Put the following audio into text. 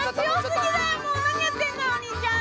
もう何やってんのよお兄ちゃん。